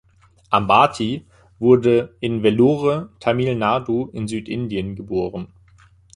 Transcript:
Ambati wurde in Vellore, Tamil Nadu in Südindien geboren.